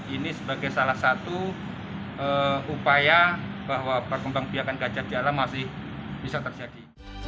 ini sebagai salah satu upaya bahwa perkembang biakan gajah di alam masih bisa terjadi